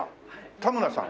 田村さん？